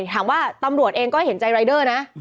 ถามว่าตำรวจเองก็เห็นใจรายเดอร์นะ